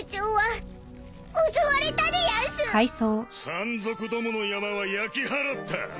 山賊どもの山は焼き払った！